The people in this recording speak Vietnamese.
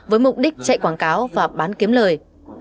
với mục đích chạy quảng cáo và bán kiếm lời